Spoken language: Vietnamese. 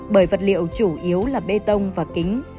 bởi vật liệu chủ yếu là bê tông và kính